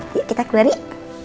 yuk kita keluar yuk